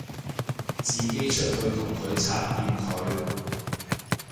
自己出去同佢拆掂佢